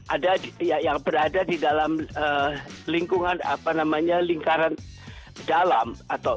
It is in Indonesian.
ada yang berada di dalam lingkungan apa namanya lingkaran dalam